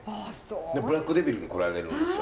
でブラックデビルで来られるんですよ。